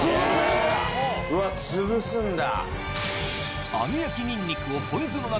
うわ潰すんだ。